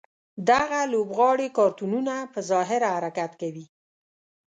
دغه لوبغاړي کارتونونه په ظاهره حرکت کوي.